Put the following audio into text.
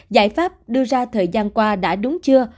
giải pháp đưa ra thời gian qua đã đúng chưa